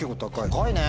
高いね。